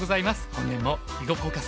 本年も「囲碁フォーカス」